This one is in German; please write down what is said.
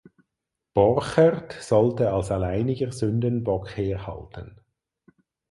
Borchert sollte als alleiniger Sündenbock herhalten.